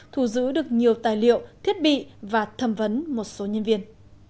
thu giữ được nhiều tài liệu thiết bị và thẩm vấn một số nhân viên